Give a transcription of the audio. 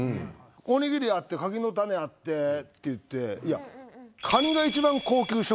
おにぎりあって柿の種あってっていって確かに！